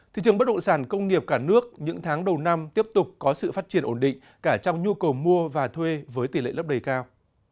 thị trường bất động sản công nghiệp cả nước những tháng đầu năm tiếp tục có sự phát triển ổn định cả trong nhu cầu mua và thuê với tỷ lệ lấp đầy cao